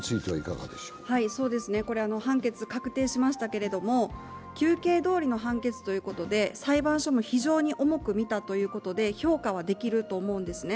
これ、判決が確定しましたけれども、求刑どおりの判決ということで裁判所も非常に重く見たということで評価はできると思うんですね。